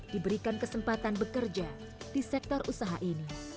diberikan kesempatan bekerja di sektor usaha ini